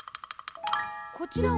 こちらは？